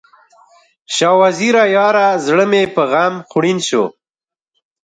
شاه وزیره یاره، زړه مې په غم خوړین شو